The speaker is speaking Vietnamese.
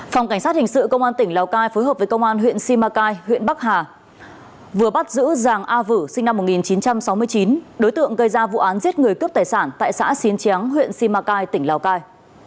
phòng cảnh sát hình sự công an tỉnh lào cai phối hợp với công an huyện simacai huyện bắc hà vừa bắt giữ giàng a vữ sinh năm một nghìn chín trăm sáu mươi chín đối tượng gây ra vụ án giết người cướp tài sản tại xã xín tráng huyện simacai tỉnh lào cai